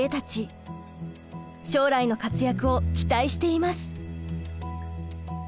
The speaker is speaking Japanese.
将来の活躍を期待しています！